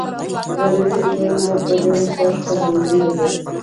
غریب د ژوند د خوږ احساس ښکارندوی دی